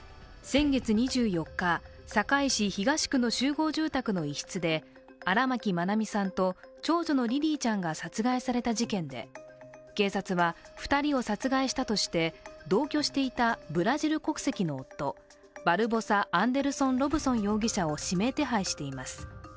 先月２４日、堺市東区の集合住宅の一室で荒牧愛美さんと長女のリリィちゃんが殺害された事件で、警察は２人を殺害したとして同居していたブラジル国籍の夫バルボサ・アンデルソン・ロブソン容疑者を指名手配しています。